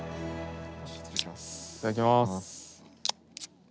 いただきます。